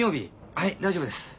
はい大丈夫です。